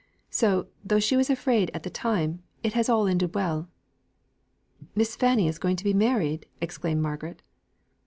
So though she was afraid at the time, it has all ended well." "Miss Fanny going to be married!" exclaimed Margaret.